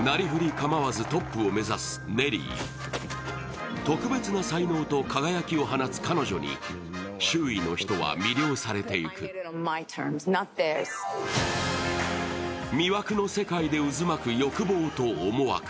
構わずトップを目指すネリー特別な才能と輝きを放つ彼女に周囲の人は魅了されていく魅惑の世界で渦巻く欲望と思惑